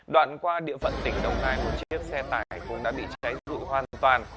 đoạn qua địa phận tỉnh đồng nai một chiếc xe tải cũng đã bị cháy dữ dội hoàn toàn